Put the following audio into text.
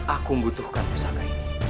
aku membutuhkan pusaka ini